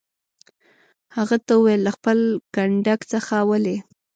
هغه ته وویل: له خپل کنډک څخه ولې.